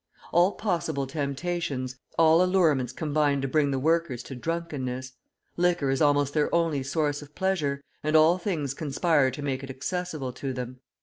All possible temptations, all allurements combine to bring the workers to drunkenness. Liquor is almost their only source of pleasure, and all things conspire to make it accessible to them.